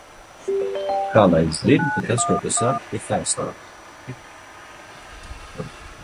Kā lai es zinu, ka tas ka tu saki ir taisnība?